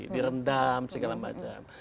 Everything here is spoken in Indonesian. direndam segala macam